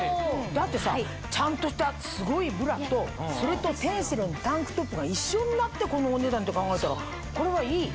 だってさちゃんとしたすごいブラとそれとテンセルのタンクトップが一緒になってこのお値段って考えたらこれはいい！